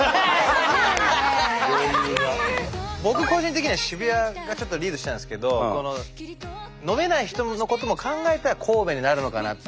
僕個人的には渋谷がちょっとリードしてたんですけど飲めない人のことも考えたら神戸になるのかなっていう。